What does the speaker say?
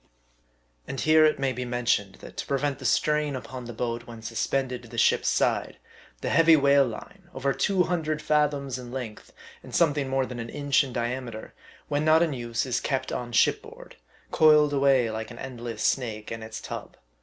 And here it may be mentioned, that to prevent the strain 48 M A R D I. upon the boat when suspended to the ship's side, the heavy whale line, over two hundred fathoms in length, and some thing more than an inch in diameter, when not in use is kept on ship board, coiled away like an endless snake in its tub.